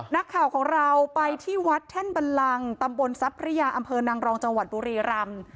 นักข่าวของเราไปที่วัดแท่นบันลังตำบลทรัพพระยาอำเภอนางรองจังหวัดบุรีรำ